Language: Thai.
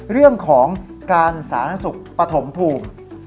เรื่องของการสาธารณสุขปฐมภูมิ